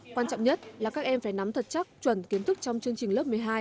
quan trọng nhất là các em phải nắm thật chắc chuẩn kiến thức trong chương trình lớp một mươi hai